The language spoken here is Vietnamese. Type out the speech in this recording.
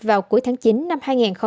vào cuối tháng chín năm hai nghìn hai mươi